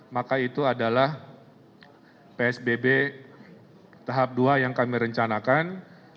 maka itu adalah psbb tahap dua yang kami rencanakan